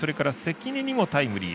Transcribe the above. それから関根にもタイムリー。